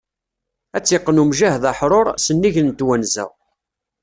Ad tt-iqqen umjahed aḥrur, s nnig n twenza.